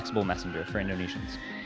kepala pembangunan indonesia